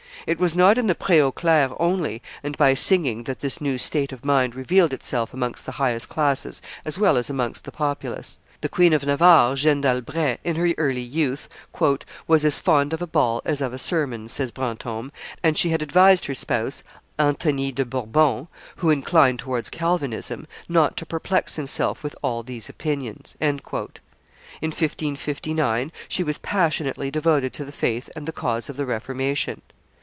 It was not in the Pre aux Clercs only and by singing that this new state of mind revealed itself amongst the highest classes as well as amongst the populace. The Queen of Navarre, Jeanne d'Albret, in her early youth, "was as fond of a ball as of a sermon," says Brantome, "and she had advised her spouse, Anthony de Bourbon, who inclined towards Calvinism, not to perplex himself with all these opinions." In 1559 she was passionately devoted to the faith and the cause of the Reformation.